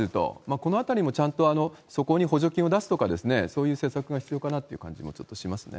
このあたりもちゃんとそこに補助金を出すとか、そういう施策が必要かなという感じもしますね。